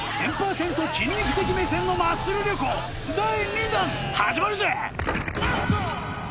筋肉的目線のマッスル旅行第２弾始まるぜ！